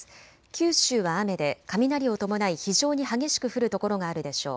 九州は雨で雷を伴い非常に激しく降る所があるでしょう。